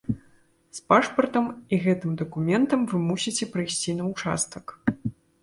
З пашпартам і гэтым дакументам вы мусіце прыйсці на ўчастак.